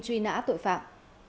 truy nã tội phạm